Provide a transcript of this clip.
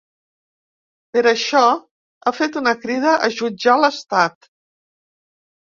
Per això, ha fet una crida a jutjar l’estat.